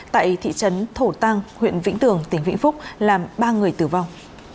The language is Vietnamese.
tại thị trấn thổ tăng huyện vĩnh tường tỉnh vĩnh phúc làm ba người tử vong